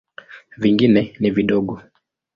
Vingine ni vidogo.